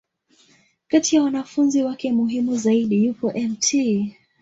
Kati ya wanafunzi wake muhimu zaidi, yupo Mt.